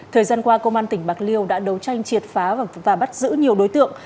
thời gian qua công an tỉnh bạc liêu đã đấu tranh triệt phá và bắt giữ nhiều đối tượng